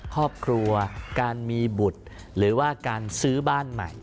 ครอบครัวการมีบุตรหรือว่าการซื้อบ้านใหม่